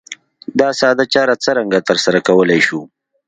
دا ساده چاره څرنګه ترسره کولای شو؟